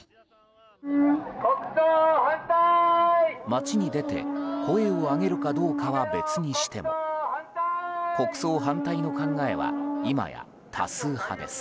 街に出て声を上げるかどうかは別にしても国葬反対の考えは今や、多数派です。